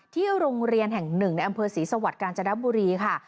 ที่โรงเรียนแห่งหนึ่งในอำเภอศรีสวรรค์กาญจนบุรีค่ะ